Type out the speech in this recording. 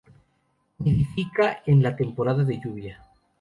Nidifica en la temporada de lluvia.